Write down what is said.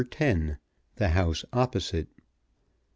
10, the house opposite.